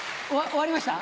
終わりました？